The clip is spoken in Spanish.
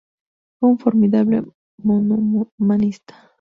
Fue un formidable manomanista.